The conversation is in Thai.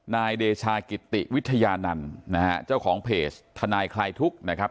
นายเดชากิติวิทยานันต์นะฮะเจ้าของเพจทนายคลายทุกข์นะครับ